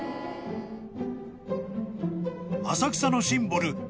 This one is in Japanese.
［浅草のシンボル